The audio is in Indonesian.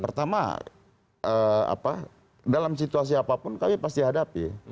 pertama dalam situasi apapun kami pasti hadapi